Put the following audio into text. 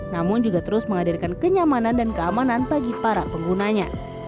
namun juga terus menghadirkan kenyamanan dan keamanan bagi para penggunanya